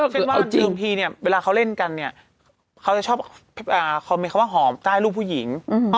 ซึ่งโดยทีเวลาเขาเล่นกันเขาจะชอบความหอมใต้รูปผู้หญิง